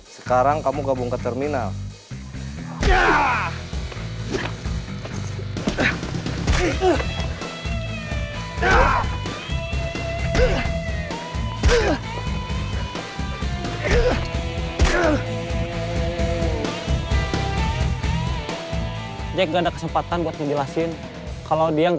sekarang kamu gabung ke terminal